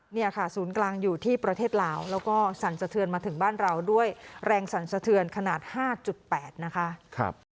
เนี่ยค่ะศูนย์กลางอยู่ที่ประเทศลาวแล้วก็สั่นสะเทือนมาถึงบ้านเราด้วยแรงสั่นสะเทือนขนาด๕๘นะคะ